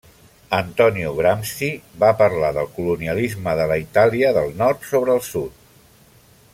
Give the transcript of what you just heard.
Antonio Gramsci va parlar del colonialisme de la Itàlia del nord sobre el sud.